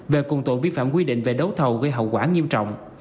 về cùng tội vi phạm quy định về đấu thầu gây hậu quả nghiêm trọng